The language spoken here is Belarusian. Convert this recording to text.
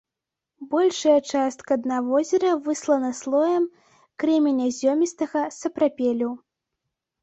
Большая частка дна возера выслана слоем крэменязёмістага сапрапелю.